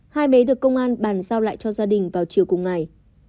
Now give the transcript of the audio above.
hai bé được công an bàn giao lại cho gia đình vào chiều cùng ngày